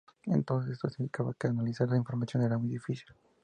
Entonces esto significaba que analizar la información era muy difícil.